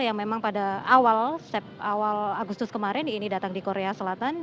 yang memang pada awal agustus kemarin ini datang di korea selatan